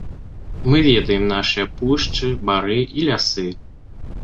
Мы ведаем нашыя пушчы, бары і лясы.